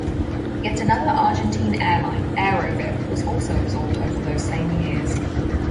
Yet another Argentine airline, Aerovip, was also absorbed over those same years.